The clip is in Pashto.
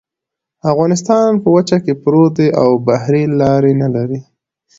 افغانستان په وچه کې پروت دی او بحري لارې نلري